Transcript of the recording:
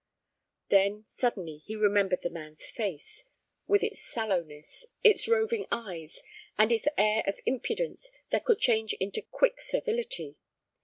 Then suddenly he remembered the man's face, with its sallowness, its roving eyes, and its air of impudence that could change into quick servility.